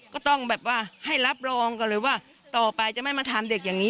ก็ต้องแบบว่าให้รับรองกันเลยว่าต่อไปจะไม่มาทำเด็กอย่างนี้